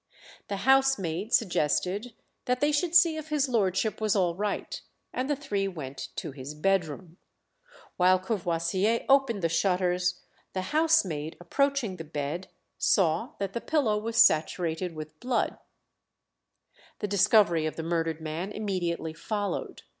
The housemaid suggested that they should see if his lordship was all right, and the three went to his bed room. While Courvoisier opened the shutters, the housemaid, approaching the bed, saw that the pillow was saturated with blood. [Illustration: COURVOISIER.] The discovery of the murdered man immediately followed.